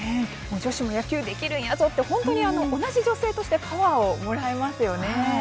女子でも野球ができるんやぞってすごく同じ女性としてパワーをもらえそうですよね。